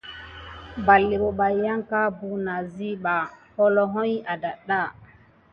Ɓaɗé pebay yanka buwune asiɓa holohi adaga.